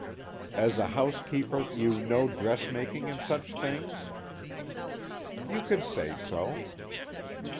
"As a housekeeper, you know dressmaking and such things?" "You could say so."